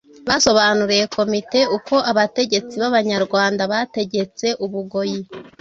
basobanuriye Komite uko abategetsi b'Abanyarwanda bategetse u Bugoyi